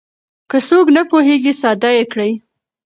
که څوک نه پوهېږي ساده يې کړئ.